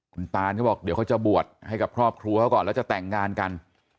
คุณตานเขาบอกเดี๋ยวเขาจะบวชให้กับครอบครัวเขาก่อนแล้วจะแต่งงานกัน